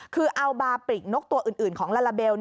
คือเอาบาปริกนกตัวอื่นของลาลาเบล